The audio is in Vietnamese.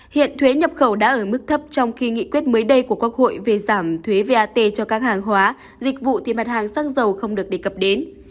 hiện thuế nhập khẩu đã ở mức thấp trong khi nghị quyết mới đây của quốc hội về giảm thuế vat cho các hàng hóa dịch vụ thì mặt hàng xăng dầu không được đề cập đến